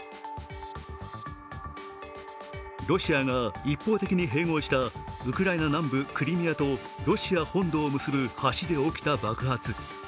ロシアが一方的に併合したウクライナ南部クリミアとロシア本土を結ぶ橋で起きた爆発。